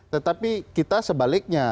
tetapi kita sebaliknya